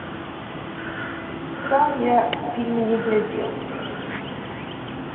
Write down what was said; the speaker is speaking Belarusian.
Сам я фільм не глядзеў.